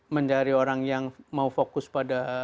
mencari orang yang mau fokus pada